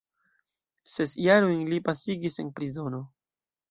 Ses jarojn li pasigis en prizono.